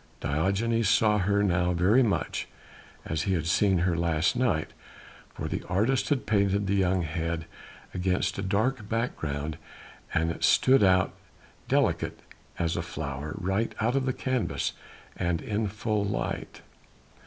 Diogenes saw her now very much as he had seen her last night, for the artist had painted the young head against a dark background and it stood out delicate as a flower, right out of the canvas and in full light.